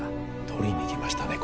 取りに行きましたね